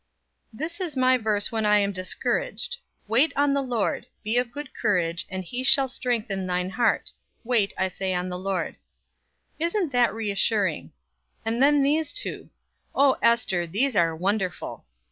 "This is my verse when I am discouraged 'Wait on the Lord; be of good courage and he shall strengthen thine heart; wait, I say, on the Lord.' Isn't that reassuring. And then these two. Oh, Ester, these are wonderful!